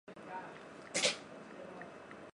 在今山东省南部。